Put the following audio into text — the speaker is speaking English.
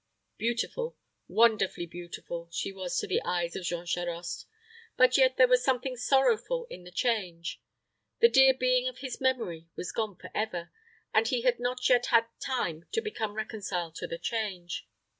Beautiful, wonderfully beautiful, she was to the eyes of Jean Charost; but yet there was something sorrowful in the change. The dear being of his memory was gone forever, and he had not yet had time to become reconciled to the change.